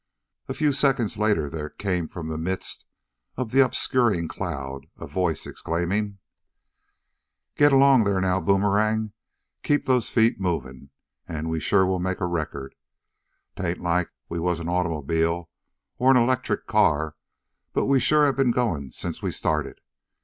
A few seconds later there came from the midst of the obscuring cloud a voice, exclaiming: "G'lang there now, Boomerang! Keep to' feet a movin' an' we sho' will make a record. 'Tain't laik we was a autermobiler, er a electricity car, but we sho' hab been goin' sence we started.